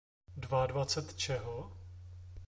Dvaadvacet čeho?